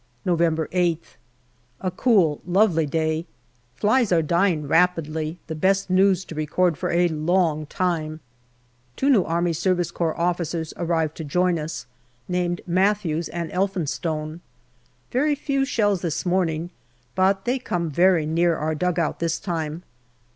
November Sth. A cool, lovely day. Flies are dying rapidly the best news to record for a long time. Two new A.S.C. officers arrive to join us, named Matthews and Elphinstone. Very few shells this morning, but they come very near our dugout this time.